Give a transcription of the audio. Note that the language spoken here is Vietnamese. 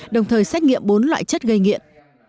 đồng thời xét nghiệm bốn loại chất gây nghiện